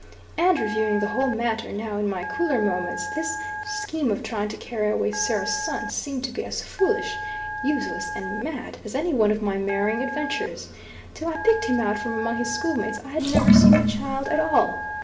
And reviewing the whole matter, now in my cooler moments, this scheme of trying to carry away Sarah's son, seemed to be as foolish, useless, and mad, as any one of my marrying adventures. Till I picked him out from among his schoolmates, I had never seen the child at all.